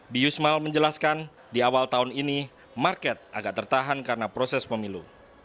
biusmal menjelaskan di awal tahun ini market agak tertahan karena proses pemilu